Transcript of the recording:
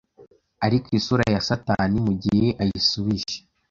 ariko isura ya satani mugihe ayisubije